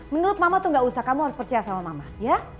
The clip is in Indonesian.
menurut mama tuh gak usah kamu harus percaya sama mama ya